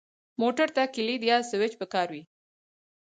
موټر ته کلید یا سوئچ پکار وي.